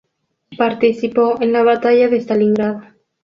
Participó en la Batalla de Stalingrado.